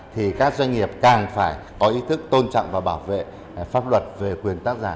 thì các doanh nghiệp càng phải có ý thức tôn trọng và bảo vệ pháp luật về quyền tác giả